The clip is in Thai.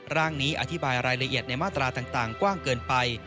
ร่างนี้อธิบายรายละเอียดในมาตราต่างกว้างเกินไป